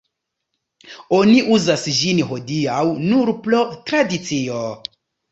Oni uzas ĝin hodiaŭ nur pro tradicio.